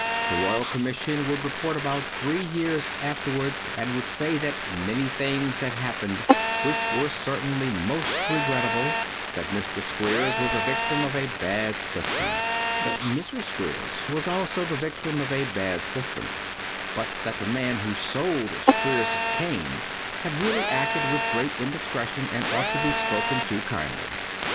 The Royal Commission would report about three years afterwards and would say that many things had happened which were certainly most regrettable, that Mr. Squeers was the victim of a bad system ; that Mrs. Squeers was also the victim of a bad system ; but that the man who sold Squeers' cane had really acted with great indiscretion and ought to be spoken to kindly.